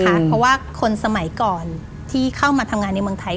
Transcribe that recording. เพราะว่าคนสมัยก่อนที่เข้ามาทำงานในเมืองไทย